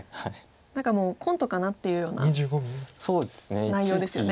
何かもうコントかなというような内容ですよね。